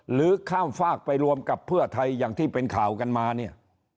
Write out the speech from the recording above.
หรือข้ามฝากไปรวมกับเพื่อไทยอย่างที่เป็นข่าวกันมาเนี่ย